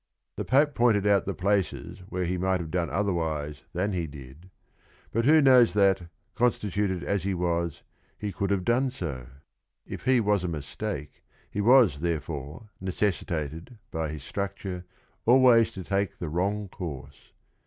The Pope pointed out the places where he might have done otherwise than he did, but who knows that, constituted as he was, he could have done so ? If he was a mistake he was therefore necessitated by his structure always to take the wrong course.